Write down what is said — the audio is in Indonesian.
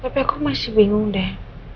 tapi aku masih bingung deh